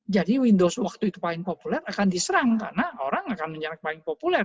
jadi windows waktu itu paling populer akan diserang karena orang akan menyerang paling populer